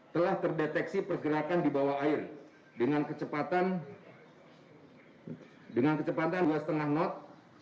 telah terdeteksi pergerakan di bawah air dengan kecepatan dengan kecepatan dua lima knot